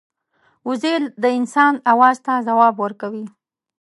وزې د انسان آواز ته ځواب ورکوي